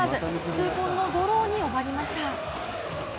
痛恨のドローに終わりました。